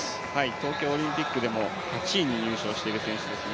東京オリンピックでも８位に入賞している選手ですね。